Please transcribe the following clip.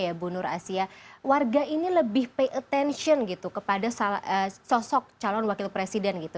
ya bu nur asia warga ini lebih pay attention gitu kepada sosok calon wakil presiden gitu